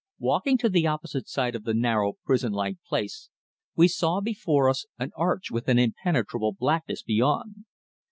Walking to the opposite side of the narrow, prison like place, we saw before us an arch with an impenetrable blackness beyond.